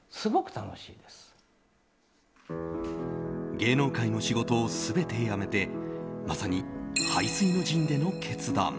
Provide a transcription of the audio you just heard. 芸能界の仕事を全て辞めてまさに背水の陣での決断。